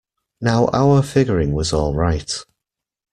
Now our figuring was all right.